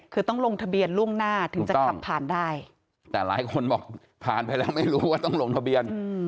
คือต้องลงทะเบียนล่วงหน้าถึงจะขับผ่านได้แต่หลายคนบอกผ่านไปแล้วไม่รู้ว่าต้องลงทะเบียน